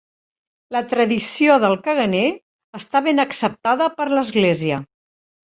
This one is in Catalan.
La tradició del caganer està ben acceptada per l'Església.